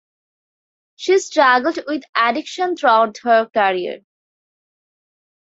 She struggled with addiction throughout her career.